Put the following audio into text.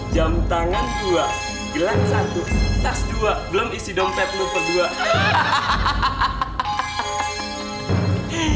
jam tangan dua gelang satu tas dua belum isi dompet lu kedua hahaha